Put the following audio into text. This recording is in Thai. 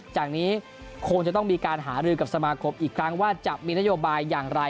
จากนี้คงจะต้องมีการหารือกับสมาคมอีกครั้งว่าจะมีนโยบายอย่างไร